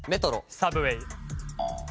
サブウェー。